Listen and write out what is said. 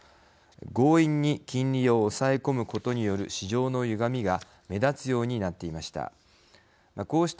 強引に金利を抑え込むことによる市場のゆがみが目立つようになっていました。